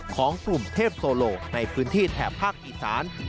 ของกรุงเทพโซโลในพื้นที่แถบภาคอีสาน